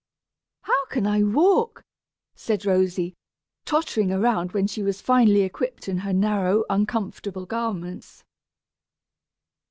"How can I walk?" said Rosy, tottering around when she was finally equipped in her narrow uncomfortable garments.